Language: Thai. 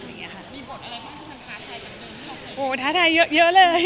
มีบทอะไรของท่านค่ะท้าทายจากนั้นหรือเปล่า